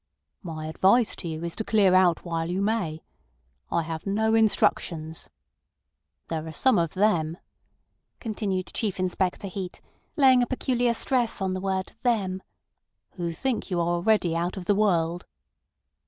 "My advice to you is to clear out while you may. I have no instructions. There are some of them," continued Chief Inspector Heat, laying a peculiar stress on the word "them," "who think you are already out of the world."